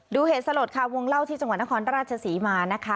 เหตุสลดค่ะวงเล่าที่จังหวัดนครราชศรีมานะคะ